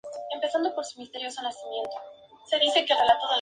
Cyril tuvo dos hijos, Guy and Dan.